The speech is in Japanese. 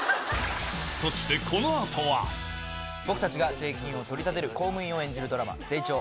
そして僕たちが税金を取り立てる公務員を演じるドラマ『ゼイチョー』。